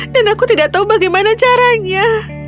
dan aku tidak tahu bagaimana caranya